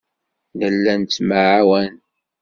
Nella nettemɛawan.